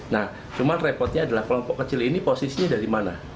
nah cuma repotnya adalah kelompok kecil ini posisinya dari mana